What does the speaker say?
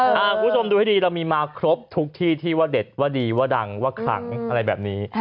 คุณผู้ชมดูให้ดีเรามีมาครบทุกที่ที่ว่าเด็ดว่าดีว่าดังว่าขลังอะไรแบบนี้